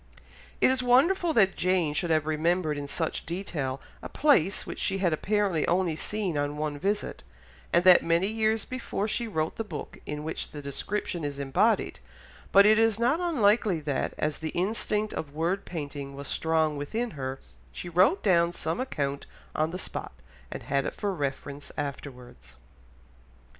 It is wonderful that Jane should have remembered in such detail a place which she had apparently only seen on one visit, and that many years before she wrote the book in which the description is embodied, but it is not unlikely that, as the instinct of word painting was strong within her, she wrote down some such account on the spot, and had it for reference afterwards.